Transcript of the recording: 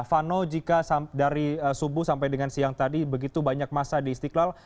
vano jika dari subuh sampai dengan siang tadi begitu banyak masa di istiqlal